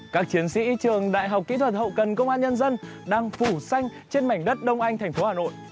các chiến sĩ trường đại học kỹ thuật hậu cần công an nhân dân đang phủ xanh trên mảnh đất đông anh thành phố hà nội